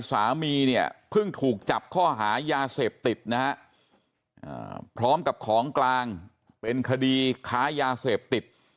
สามีเนี่ยเพิ่งถูกจับข้อหายาเสพติดนะฮะพร้อมกับของกลางเป็นคดีค้ายาเสพติด